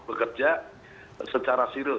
bekerja secara serius